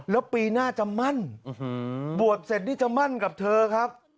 แล้วปีหน้าจะมั่นบวชเสร็จนี่จะมั่นกับเธอครับ